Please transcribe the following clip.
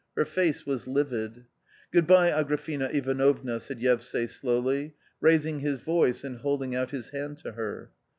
Her face was livid. "Good bye, Agrafena Ivanovna!" said Yevsay, slowly, raising his voice and holding out his hand to her.